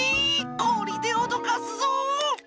こりでおどかすぞ！